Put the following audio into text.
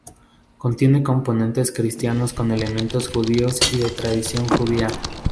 Contiene componentes cristianos con elementos judíos y de la tradición judía.